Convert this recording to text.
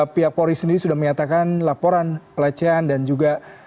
pihak polri sendiri sudah menyatakan laporan pelecehan dan juga